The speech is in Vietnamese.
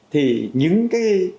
thì những cái